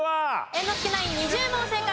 猿之助ナイン２０問正解。